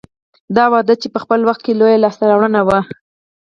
دا وده چې په خپل وخت کې لویه لاسته راوړنه وه